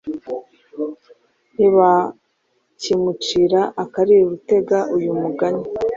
Ntibakimucira akari urutega uyu mugani